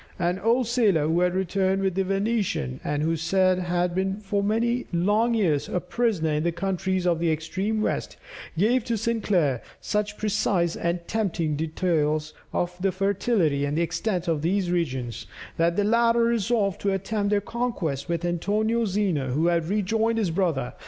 An old sailor, who had returned with the Venetian, and who said he had been for many long years a prisoner in the countries of the extreme west, gave to Sinclair such precise and tempting details of the fertility and extent of these regions, that the latter resolved to attempt their conquest with Antonio Zeno who had rejoined his brother.